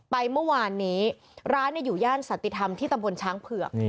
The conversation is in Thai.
ไปเมื่อวานนี้ร้านอยู่ย่านสันติธรรมที่ตำบลช้างเผือก